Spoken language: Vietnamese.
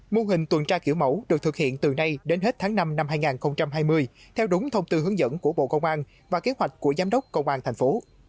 mô hình tuần tra kiểu mẫu được thực hiện từ nay đến hết tháng năm năm hai nghìn hai mươi theo đúng thông tư hướng dẫn của bộ công an và kế hoạch của giám đốc công an thành phố